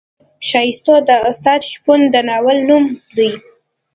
ښایستو د استاد شپون د ناول نوم دی.